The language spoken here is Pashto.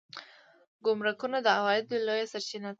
ګمرکونه د عوایدو لویه سرچینه ده